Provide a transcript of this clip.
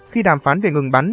khi đàm phán về ngừng bắn